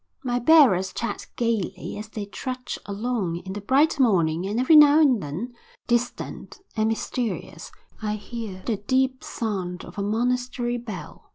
My bearers chat gaily as they trudge along in the bright morning and every now and then, distant and mysterious, I hear the deep sound of a monastery bell.